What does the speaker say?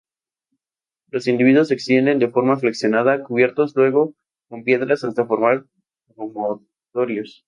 Los individuos se entierran de forma flexionada, cubiertos luego con piedras hasta formar promontorios.